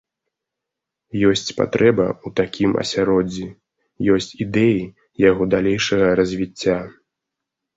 Ёсць патрэба ў такім асяроддзі, ёсць ідэі яго далейшага развіцця.